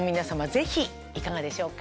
ぜひいかがでしょうか？